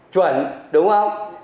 chuẩn đúng không